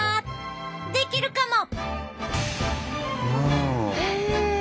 できるかも！